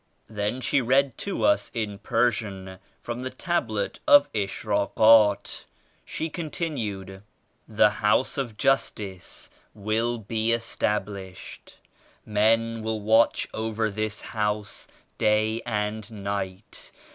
Then she read to us in Persian from the Tab let of "Ishrakhat". She continued "The House of Justice will be established. Men will watch over this House day and night.